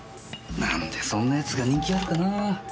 何でそんな奴が人気あるかなぁ。